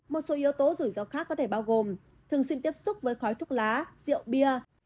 một số yếu tố rủi ro khác có thể bao gồm thường xuyên tiếp xúc với khói thuốc lá rượu bia